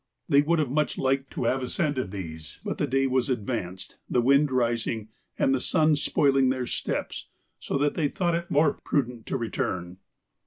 They would have much liked to have ascended these, but the day was advanced, the wind rising, and the sun spoiling their steps, so that they thought it more prudent to return.